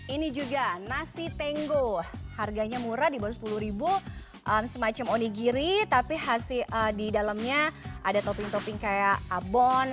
ini juga nasi tenggo harganya murah di bawah sepuluh semacam onigiri tapi di dalamnya ada topping topping kayak abon